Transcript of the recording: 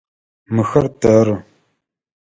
Мыхэр тэры.